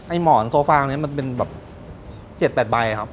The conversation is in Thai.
หมอนโซฟางนี้มันเป็นแบบ๗๘ใบครับ